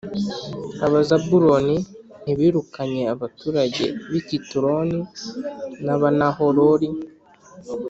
Abazabuloni ntibirukanye abaturage b’i Kitironi n’ab’i Nahaloli,